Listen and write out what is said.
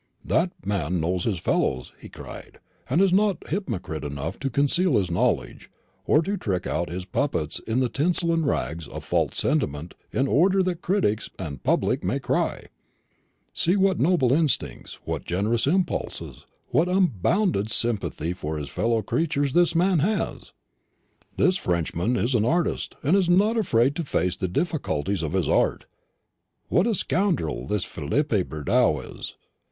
"That man knows his fellows," he cried, "and is not hypocrite enough to conceal his knowledge, or to trick out his puppets in the tinsel and rags of false sentiment in order that critics and public may cry, 'See, what noble instincts, what generous impulses, what unbounded sympathy for his fellow creatures this man has!' This Frenchman is an artist, and is not afraid to face the difficulties of his art. What a scoundrel this Philippe Bridau is!